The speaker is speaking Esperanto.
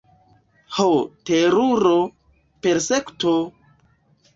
ho, teruro: persekuto!